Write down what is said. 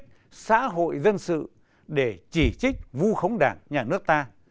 họ đã sử dụng bộ lý thuyết của xã hội dân sự để chỉ trích vu khống đảng và nhà nước ta